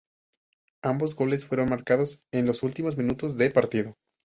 Ambos goles fueron marcados en los últimos minutos de partido.